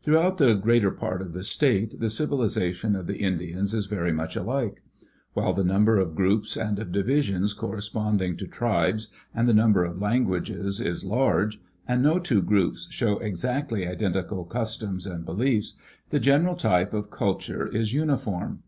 Throughout the greater part of the state the civilization of the Indians is very much alike. While the number of groups and of divisions corresponding to tribes, and the number of languages, is large, and no two groups show exactly identical customs and beliefs, the general type of culture is uniform.